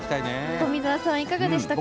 富澤さん、いかがでしたか？